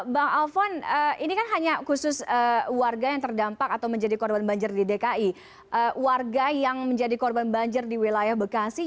bang alfon ini kan hanya khusus warga yang terdampak atau menjadi korban banjir di dki